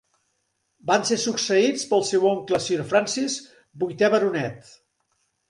Van ser succeïts pel seu oncle Sir Francis, vuitè baronet.